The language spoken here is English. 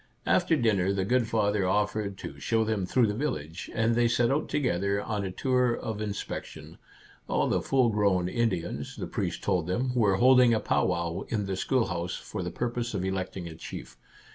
After dinner the good father offered to show them through the village, and they set 36 Our Little Canadian Cousin out together on a tour of inspection. All the full grown Indians, the priest told them, were holding a pow wow in the schoolhouse, for the purpose of electing a chief.